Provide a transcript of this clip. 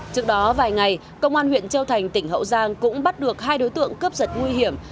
trước đó vài ngày công an huyện châu thành tỉnh hậu giang cũng bắt được hai đối tượng cướp giật nguy hiểm